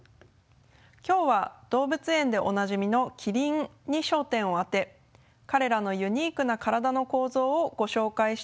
今日は動物園でおなじみのキリンに焦点を当て彼らのユニークな体の構造をご紹介していきたいと思います。